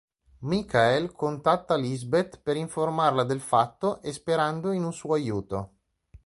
Mikael contatta Lisbeth per informarla del fatto e sperando in un suo aiuto.